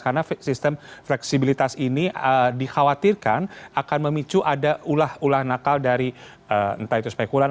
karena sistem fleksibilitas ini dikhawatirkan akan memicu ada ulah ulah nakal dari entah itu spekulan